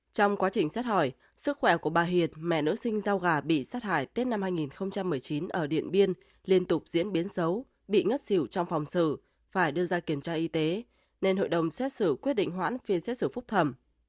trong quá trình xét hỏi sức khỏe của bà hiền mẹ nữ sinh rau gà bị sát hại tết năm hai nghìn một mươi chín ở điện biên liên tục diễn biến xấu bị ngất xỉu trong phòng xử phải đưa ra kiểm tra y tế nên hội đồng xét xử quyết định hoãn phiên xét xử phúc thẩm